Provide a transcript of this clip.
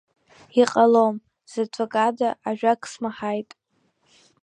Иҟалом, заҵәык ада ажәак смаҳаит.